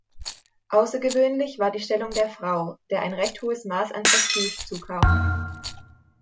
Außergewöhnlich war die Stellung der Frau, der ein recht hohes Maß an Prestige zukam.